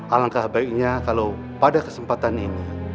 alangkah baiknya kalau pada kesempatan ini